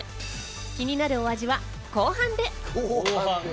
気になるお味は後半で。